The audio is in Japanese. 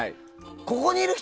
ここにいる人